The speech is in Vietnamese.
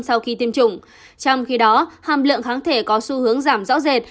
sau khi tiêm chủng trong khi đó hàm lượng kháng thể có xu hướng giảm rõ rệt